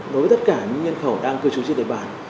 đối với tất cả những nhân khẩu đang cư trú trên địa bàn